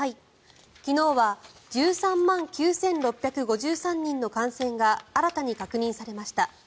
昨日は１３万９６５３人の感染が新たに確認されました。